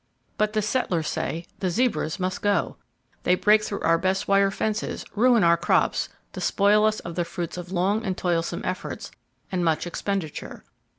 But the settlers say, "The zebras must go! They break through our best wire fences, ruin our crops, despoil us of the fruits of long and toilsome efforts, and much expenditure.